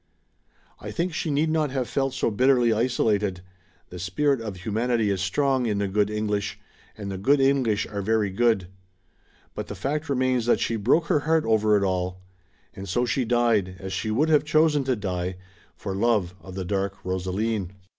I think she need not have felt so bitterly isolated; the spirit of humanity is strong in the good English — ^and the good English are very good— rbut the fact remains that she broke her heart over it all ; and so she died, as she would have chosen to die, for love of the Dark Rosaleen.